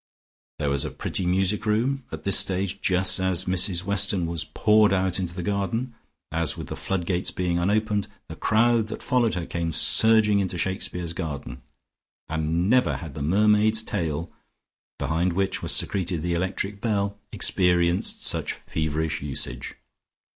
There was a pretty music room. At this stage, just as Mrs Weston was poured out in the garden, as with the floodgates being unopened, the crowd that followed her came surging into Shakespeare's garden, and never had the mermaid's tail behind which was secreted the electric bell, experienced such feverish usage.